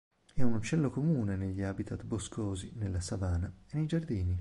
È un uccello comune negli habitat boscosi, nella savana e nei giardini.